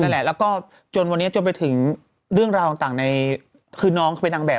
แล้วก็จนวันนี้จะไปถึงเรื่องราวต่างในคือน้องไปนางแบบ